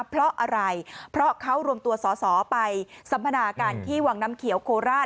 เพราะอะไรเพราะเขารวมตัวสอสอไปสัมพนากันที่วังน้ำเขียวโคราช